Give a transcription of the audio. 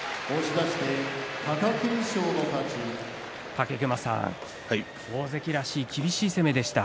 武隈さん、大関らしい厳しい攻めでした。